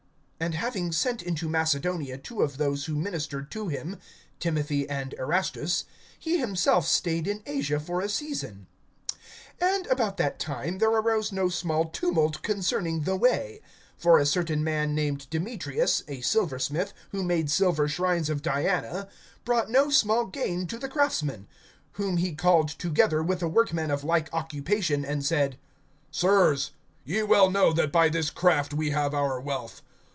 (22)And having sent into Macedonia two of those who ministered to him, Timothy and Erastus, he himself stayed in Asia for a season. (23)And about that time, there arose no small tumult concerning the Way. (24)For a certain man named Demetrius, a silversmith, who made silver shrines of Diana, brought no small gain to the craftsmen; (25)whom he called together, with the workmen of like occupation, and said: Sirs, ye well know that by this craft we have our wealth.